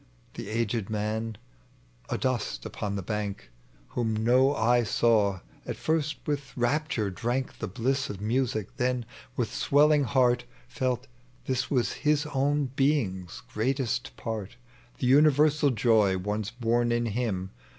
The aged man adnsfc upon the bank — Wliom no eye saw — at first with rapture drank The bliss of music, then, with swelling heart, Felt, thia was his own being's greater part, The universal joy once born in him.